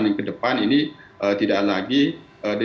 yang ke depan ini tidak lagi di